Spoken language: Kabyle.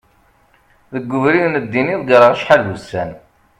deg ubrid n ddin i ḍegreɣ acḥal d ussan